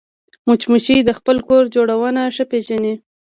مچمچۍ د خپل کور جوړونه ښه پېژني